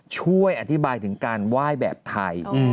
ช่วยอธิบายถึงการไหว้แบบไทย